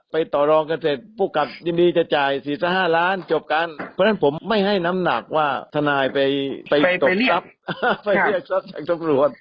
ไปเรียกทรัพย์แสดงต้นลวโหด